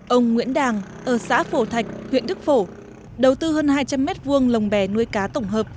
ông nguyễn đàng ở xã phổ thạch huyện đức phổ đầu tư hơn hai trăm linh m hai lồng bè nuôi cá tổng hợp